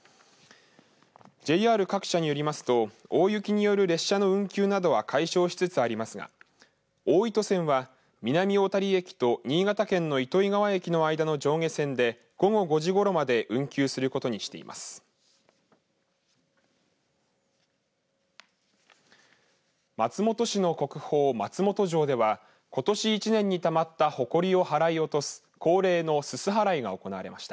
ＪＲ各社によりますと大雪による列車の運休などは解消しつつありますが大糸線は、南小谷駅と新潟県の糸魚川駅の間の上下線で午後５時ごろまで運休する予定になっています。